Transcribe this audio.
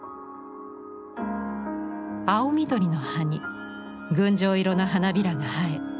青緑の葉に群青色の花びらが映え